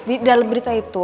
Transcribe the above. di dalam berita itu